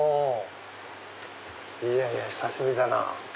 いやいや久しぶりだなぁ。